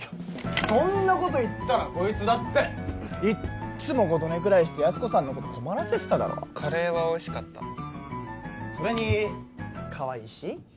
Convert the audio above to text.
そんなこと言ったらこいつだっていっつも五度寝ぐらいしてやす子さんのこと困らせてただろカレーはおいしかったそれにかわいいし？